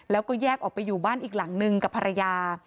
แล้วก็แยกออกไปอยู่บ้านอีกหลังนึงกับภรรยา